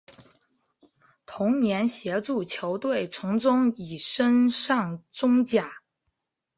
同年协助球队从中乙升上中甲。